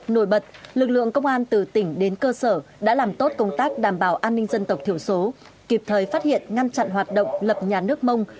nổi bật lực lượng công an từ tỉnh đến cơ sở đã làm tốt công tác đảm bảo an ninh dân tộc thiểu số kịp thời phát hiện ngăn chặn hoạt động lập nhà nước mông